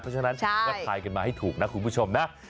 ก็ถ่ายกันมาให้ถูกนะคุณผู้ชมนะ